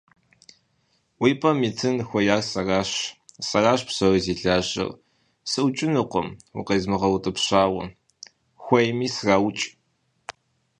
Уи пӀэм итын хуеяр сэращ, сэращ псори зи лажьэр, сыӀукӀынукъым укъезмыгъэутӀыпщауэ, хуейми сраукӀ!